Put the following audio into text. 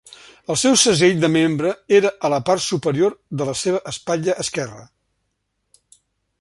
El seu segell de membre era a la part superior de la seva espatlla esquerra.